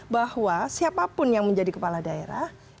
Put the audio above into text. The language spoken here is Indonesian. bahwa siapapun yang menjadi kepala daerah